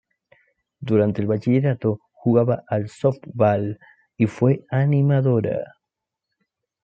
Durante el bachillerato, jugaba al softball y fue animadora.